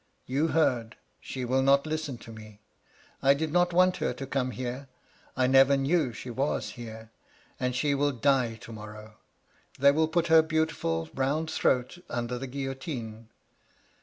You heard. She will not listen to me : I did not want her to come here. I never knew she was here, and she will die to morrow. They will put her beautiful, round throat under the guillotine.